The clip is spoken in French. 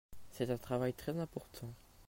C'est un travail très important.